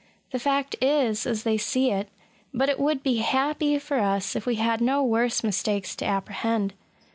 The fact is as they see it; but it would be happy for us if we had no worse mistakes to apprehend.